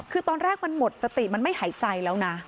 คือตอนแรกมันหมดสติมันไม่หายใจแล้วนะ